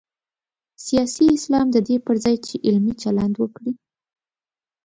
سیاسي اسلام د دې پر ځای چې علمي چلند وکړي.